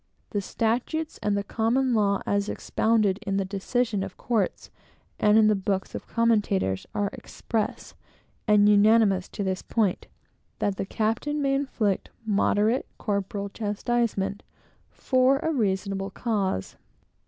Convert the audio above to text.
The statutes, and the common law as expounded in the decisions of courts, and in the books of commentators, are express and unanimous to this point, that the captain may inflict moderate corporal chastisement, for a reasonable cause.